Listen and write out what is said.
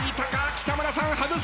北村さん外す。